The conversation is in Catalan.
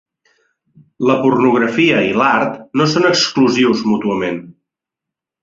"La pornografia i l'art no són exclusius mútuament.